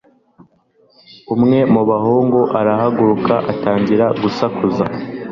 Umwe mu bahungu arahaguruka atangira gusakuza.